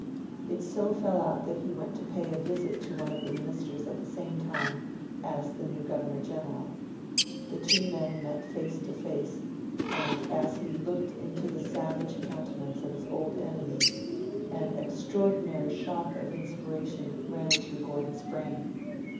It so fell out that he went to pay a visit to one of the Ministers at the same time as the new Governor General. The two men met face to face, and, as he looked into the savage countenance of his old enemy, an extraordinary shock of inspiration ran through Gordon's brain.